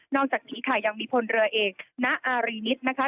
นอกจากหิข่ายังมีพลเรือเอกณ์อารินิสนะคะ